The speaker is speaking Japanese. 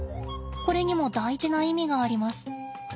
これにも大事な意味があります。